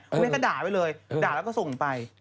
เอาเพราะเม่งก็ด่าไปเลยด่าก็ส่งไป